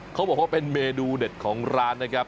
เขาบอกว่าเป็นเมนูเด็ดของร้านนะครับ